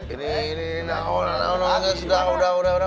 ini ini sudah sudah sudah